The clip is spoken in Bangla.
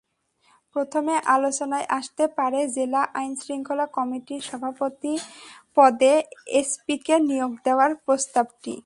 প্রথমে আলোচনায় আসতে পারে জেলা আইনশৃঙ্খলা কমিটির সভাপতি পদে এসপিকে নিয়োগ দেওয়ার প্রস্তাবটি।